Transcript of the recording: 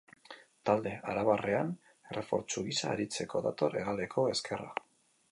Talde arabarrean errefortsu gisa aritzeko dator hegaleko ezkerra.